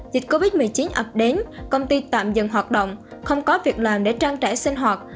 dịch covid một mươi chín ập đến công ty tạm dừng hoạt động không có việc làm để trang trải sinh hoạt